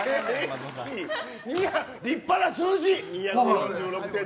立派な数字。